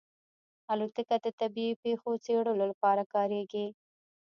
الوتکه د طبیعي پېښو څېړلو لپاره کارېږي.